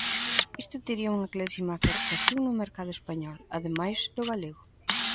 Isto tería unha clarísima afectación no mercado español, ademais do galego.